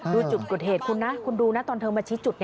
ดูจุดเกิดเหตุคุณนะคุณดูนะตอนเธอมาชี้จุด